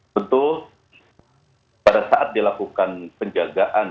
tentu pada saat dilakukan penjagaan